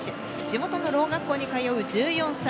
地元のろう学校に通う１４歳。